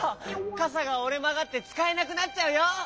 かさがおれまがってつかえなくなっちゃうよ！